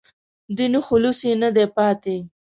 دیني خلوص یې نه دی پاتې.